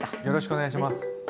よろしくお願いします。